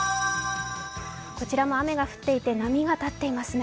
こちらも雨が降っていて波が立っています。